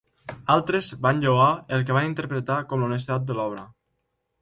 Altres van lloar el que van interpretar com l'honestedat de l'obra.